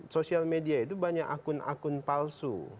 sosial media itu banyak akun akun palsu